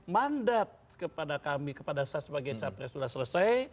mandat kepada kami kepada saya sebagai capres sudah selesai